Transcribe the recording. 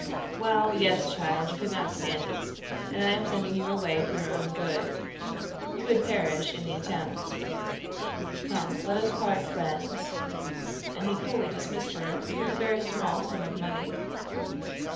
"Well, yes, child; you could not stand it, and I am sending you away for your own good; you would perish in the attempt. Come, let us part good friends," and he coolly dismissed her with a very small sum of money.